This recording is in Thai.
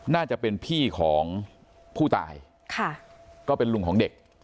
น่าจะเป็นพี่ของผู้ตายค่ะก็เป็นลุงของเด็ก